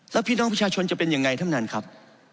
แล้วพี่น้องประชาชนจะเป็นยังไงท่านท่านครับ